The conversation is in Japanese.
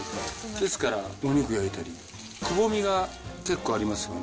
ですから、お肉焼いたり、くぼみが結構ありますよね。